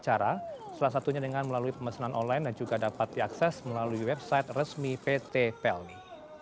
cara salah satunya dengan melalui pemesanan online dan juga dapat diakses melalui website resmi pt pelni